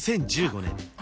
２０１５年